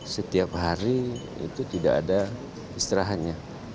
setiap hari itu tidak ada istirahatnya